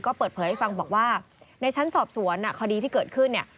ก็เปิดเผยให้ฟังบอกว่าในชั้นสอบสวนคดีที่เกิดขึ้นเนี่ย